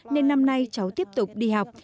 nên năm nay cháu tiếp tục đi học